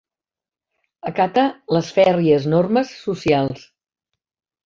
Acata les fèrries normes socials.